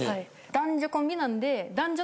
男女コンビなんで。